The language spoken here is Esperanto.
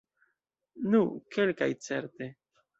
Nu, kelkaj certe.